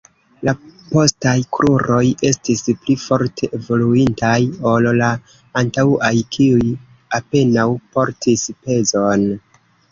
La postaj kruroj estis pli forte evoluintaj ol la antaŭaj, kiuj apenaŭ portis pezon.